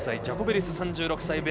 ジャコベリス、３６歳。